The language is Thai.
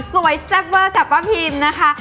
แซ่บเวอร์กับป้าพิมนะคะ